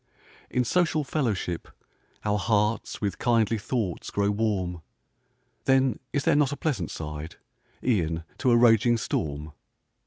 In social fellowship, our hearts With kindly thoughts grow warm; Then is there not a pleasant side, E'en to a raging storm?